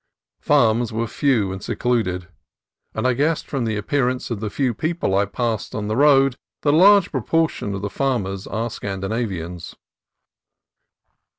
Farms were few and secluded, and I guessed from the appearance of the few people I passed on the road that a large proportion of the farmers are Scandinavians.